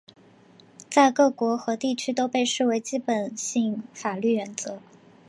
在各国和地区都被视为基本性法律原则。